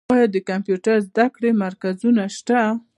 آیا د کمپیوټر زده کړې مرکزونه شته؟